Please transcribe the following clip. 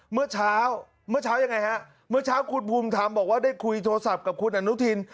เมื่อเช้าเมื่อเช้ายังไงฮะเมื่อเช้าคุณภูมิธรรมบอกว่าได้คุยโทรศัพท์กับคุณอนุทิน